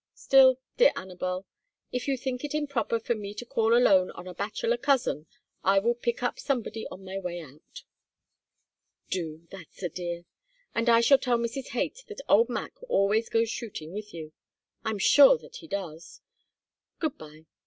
Still, dear Anabel, if you think it improper for me to call alone on a bachelor cousin, I will pick up somebody on my way out." "Do, that's a dear. And I shall tell Mrs. Haight that old Mac always goes shooting with you. I am sure that he does. Good bye.